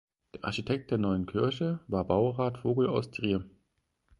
Der Architekt der neuen Kirche war Baurat Vogel aus Trier.